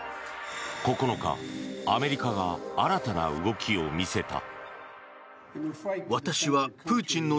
９日、アメリカが新たな動きを見せた。